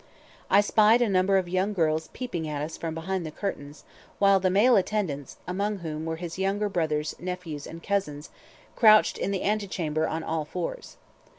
I spied a number of young girls peeping at us from behind curtains, while the male attendants, among whom were his younger brothers, nephews, and cousins, crouched in the antechamber on all fours.